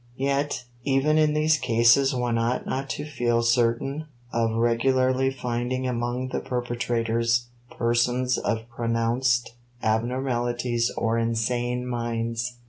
Yet even in these cases one ought not to feel certain of regularly finding among the perpetrators persons of pronounced abnormalities or insane minds.